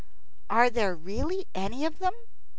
"Are there really any of them?"